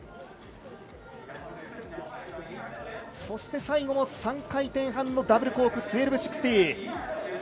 そして、最後も３回転半のダブルコーク１２６０。